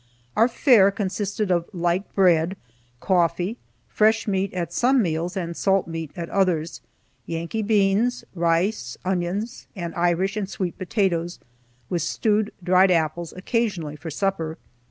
Our fare consisted of light bread, coffee, fresh meat at some meals, and salt meat at others, Yankee beans, rice, onions, and Irish and sweet potatoes, with stewed dried apples occasionally for supper.